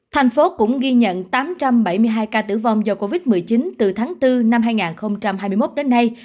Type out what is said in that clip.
thành phố cũng ghi nhận tám trăm bảy mươi hai ca tử vong do covid một mươi chín từ tháng bốn năm hai nghìn hai mươi một đến nay